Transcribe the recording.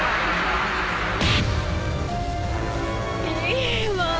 いいわぁ。